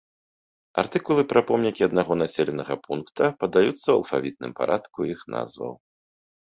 Артыкулы пра помнікі аднаго населенага пункта падаюцца ў алфавітным парадку іх назваў.